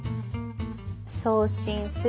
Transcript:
「送信する」？